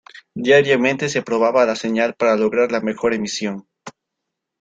Diariamente se probaba la señal para lograr la mejor emisión.